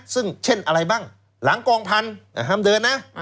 ซึ่งเช่นอะไรบ้างหลังกองพันธุ์ห้ามเดินนะ